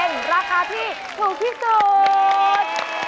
เป็นราคาที่ถูกที่สุด